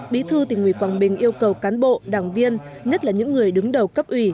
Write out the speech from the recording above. bí thư tỉnh ủy quảng bình yêu cầu cán bộ đảng viên nhất là những người đứng đầu cấp ủy